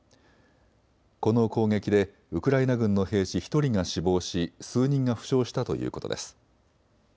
この攻撃でウクライナ軍の兵士１人が死亡し数人が負傷したということです。